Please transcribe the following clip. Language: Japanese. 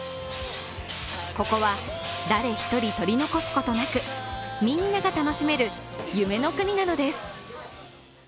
ここは誰一人取り残すことなくみんなが楽しめる夢の国なのです。